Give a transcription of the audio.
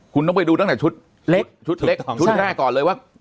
คุณต้องไปดูตั้งแต่ชุดเล็กชุดเล็กชุดแรกก่อนเลยว่า